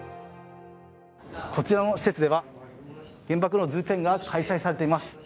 こちらの施設では「原爆の図展」が開催されています。